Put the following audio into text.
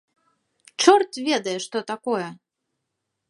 Чорт ведае, што такое!